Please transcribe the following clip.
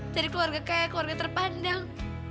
jadi keluarga kaya keluarga terpandang